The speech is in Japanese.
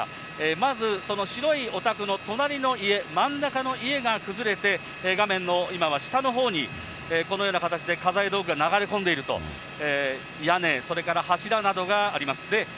まずその白いお宅の隣の家、真ん中の家が崩れて、画面の今は下のほうに、このような形で家財道具が流れ込んでいると、屋根、それから柱などがあります。